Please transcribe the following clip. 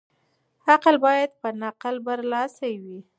عقل بايد په نقل برلاسی وي.